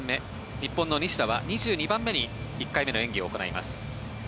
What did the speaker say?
日本の西田は２２番目に１回目の演技を行います。